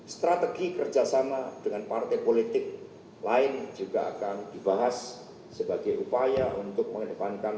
strategi kerjasama dengan partai politik lain juga akan dibahas sebagai upaya untuk mengedepankan